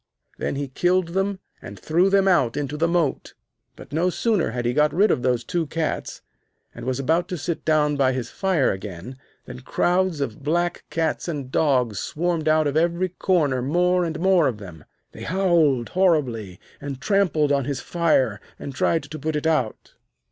Then he killed them and threw them out into the moat. But no sooner had he got rid of these two cats, and was about to sit down by his fire again, than crowds of black cats and dogs swarmed out of every corner, more and more of them. They howled horribly, and trampled on his fire, and tried to put it out.